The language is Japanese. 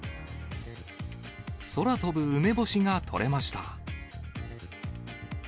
空飛ぶ梅干しが撮れました。